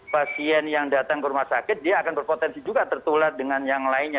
pasien yang datang ke rumah sakit dia akan berpotensi juga tertular dengan yang lainnya